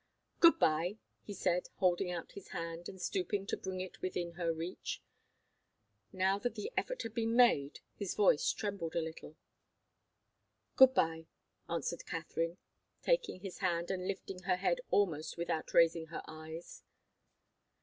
"Good bye," he said, holding out his hand, and stooping to bring it within her reach. Now that the effort had been made, his voice trembled a little. "Good bye," answered Katharine, taking his hand, and lifting her head almost without raising her eyes.